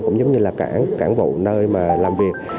cũng giống như là cảng cảng vụ nơi mà làm việc